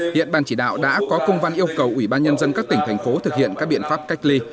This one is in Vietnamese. hiện ban chỉ đạo đã có công văn yêu cầu ủy ban nhân dân các tỉnh thành phố thực hiện các biện pháp cách ly